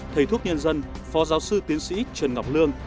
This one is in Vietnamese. thầy thuốc nhân dân phó giáo sư tiến sĩ trần ngọc lương